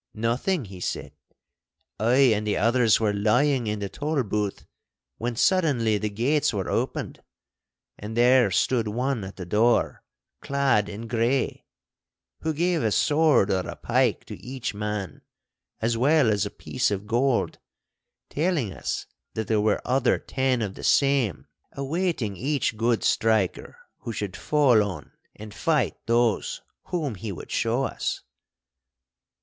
'Nothing,' he said. 'I and the others were lying in the Tolbooth, when suddenly the gates were opened, and there stood one at the door, clad in grey, who gave a sword or a pike to each man, as well as a piece of gold, telling us that there were other ten of the same awaiting each good striker who should fall on and fight those whom he would show us.